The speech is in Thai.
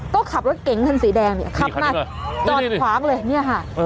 ก็ขับรถเก๋งคันสีแดงเนี่ยขับมาจอดขวางเลยเนี่ยค่ะ